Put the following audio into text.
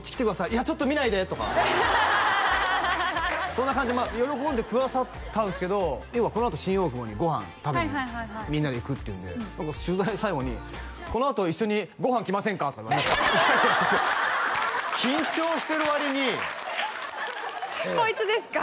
「いやちょっと見ないで」とかそんな感じでまあ喜んでくださったんですけどこのあと新大久保にご飯食べにみんなで行くっていうんで何か取材の最後に「このあと一緒にご飯来ませんか？」とか言われていやいやちょっと緊張してるわりにこいつですか？